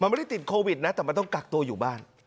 มันไม่ได้ติดโควิดนะแต่มันต้องกักตัวอยู่บ้าน